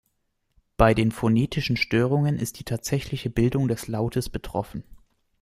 Bei den phonetischen Störungen ist die tatsächliche Bildung des Lautes betroffen.